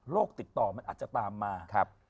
ติดต่อมันอาจจะตามมา